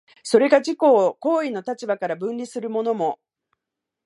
それが自己を行為の立場から分離するのも、